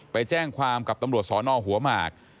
ไปแจ้งความกับตำรวจสอนอหัวหมาก